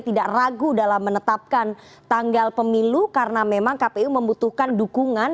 tidak ragu dalam menetapkan tanggal pemilu karena memang kpu membutuhkan dukungan